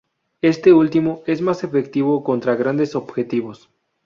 Este último es más efectivo contra grandes objetivos.